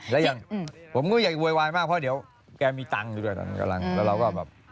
และอย่างผมอยากจะโวยวายมากเพราะเดี๋ยวแกมีเงินกำลังแล้วเราก็แบบ